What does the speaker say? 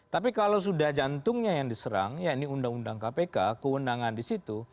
tapi kalau sudah jantungnya yang diserang ya ini undang undang kpk kewenangan di situ